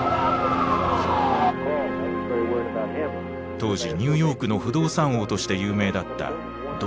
当時ニューヨークの不動産王として有名だったドナルド・トランプ。